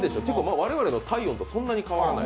我々の体温とそんなに変わらない。